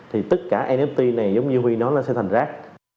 thì tất cả nft này giống như huy đó là sẽ thành rác